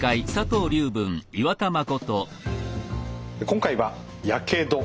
今回は「やけど」。